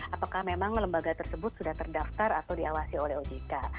apakah memang lembaga tersebut sudah terdaftar atau diawasi oleh ojk